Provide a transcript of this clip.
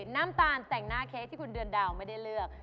น้ำตาลแต่งหน้าเค้กที่คุณเดือนดาวไม่ได้เลือก